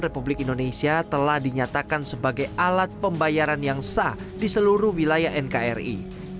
pembeli pembeli indonesia telah dinyatakan sebagai alat pembayaran yang sah di seluruh wilayah nkri